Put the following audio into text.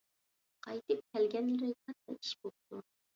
قايتىپ كەلگەنلىرى كاتتا ئىش بوپتۇ.